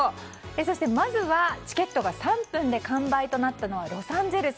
そして、まずはチケットが３分で完売となったのはロサンゼルス。